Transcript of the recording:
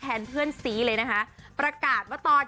เพราะว่ามีเพื่อนซีอย่างน้ำชาชีระนัทอยู่เคียงข้างเสมอค่ะ